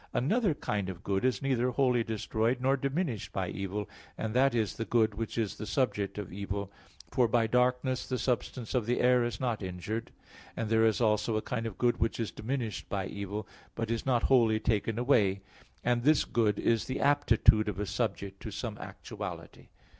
Another kind of good is neither wholly destroyed nor diminished by evil, and that is the good which is the subject of evil; for by darkness the substance of the air is not injured. And there is also a kind of good which is diminished by evil, but is not wholly taken away; and this good is the aptitude of a subject to some actuality.